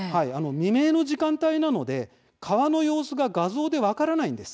未明の時間帯だから川の様子は画像なんかでは分からないんです。